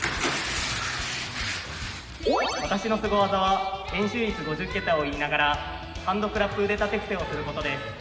私のすご技は円周率５０桁を言いながらハンドクラップ腕立て伏せをすることです。